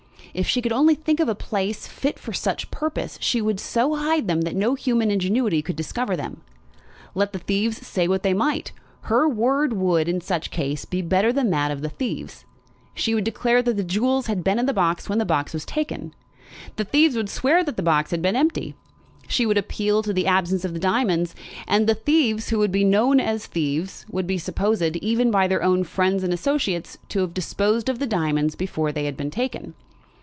If she could only think of a place fit for such purpose she would so hide them that no human ingenuity could discover them. Let the thieves say what they might, her word would, in such case, be better than that of the thieves. She would declare that the jewels had been in the box when the box was taken. The thieves would swear that the box had been empty. She would appeal to the absence of the diamonds, and the thieves, who would be known as thieves, would be supposed, even by their own friends and associates, to have disposed of the diamonds before they had been taken.